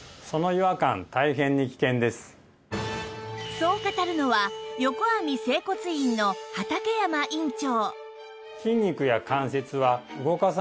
そう語るのはよこあみ整骨院の畠山院長